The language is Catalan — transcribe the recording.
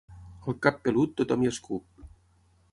Al cap pelut, tothom hi escup.